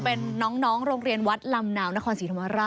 เป็นน้องโรงเรียนวัดลำนาวนครศรีธรรมราช